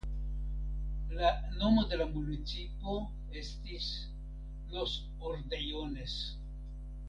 La nomo de la municipo estis "Los Ordejones".